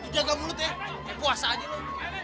juga mulut ya puasa aja lo